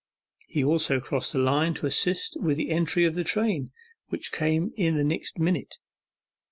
He also crossed the line to assist at the entry of the train, which came in the next minute.